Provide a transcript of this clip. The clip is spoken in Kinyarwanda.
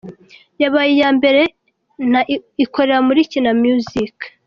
yabaye iya mbere na ikorera muri Kina Miyuziki